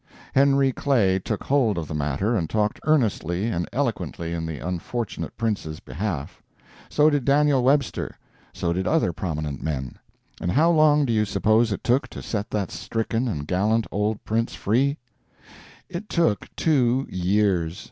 Henry Clay took hold of the matter and talked earnestly and eloquently in the unfortunate Prince's behalf. So did Daniel Webster. So did other prominent men. And how long do you suppose it took to set that stricken and gallant old Prince free? It took two years.